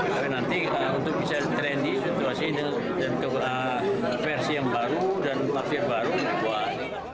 tapi nanti untuk bisa trendy situasi ini versi yang baru dan takdir baru buat